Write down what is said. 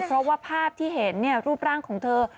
เพราะว่าภาพที่เห็นรูปร่างของเธอ